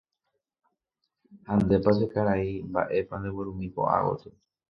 ha ndépa che karai mba'épa ndeguerumi ko'ágotyo.